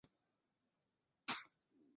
于唐奥方。